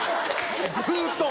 ずっと？